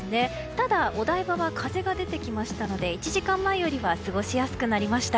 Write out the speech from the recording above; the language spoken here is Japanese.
ただ、お台場は風が出てきましたので１時間前よりは過ごしやすくなりました。